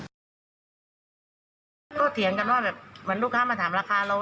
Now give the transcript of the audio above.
ก็เถียงกันว่าแบบเหมือนลูกค้ามาถามราคาเรา